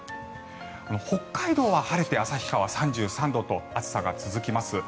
北海道は晴れて旭川、３３度と暑さが続きます。